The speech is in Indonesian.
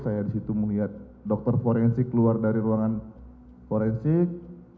tiga dua puluh saya di situ melihat dokter forensik keluar dari ruangan forensik